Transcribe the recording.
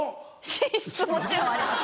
寝室もちろんあります